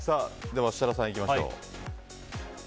では設楽さん、いきましょう。